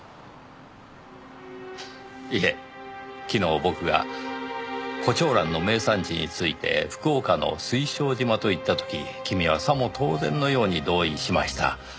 昨日僕が胡蝶蘭の名産地について福岡の水晶島と言った時君はさも当然のように同意しました。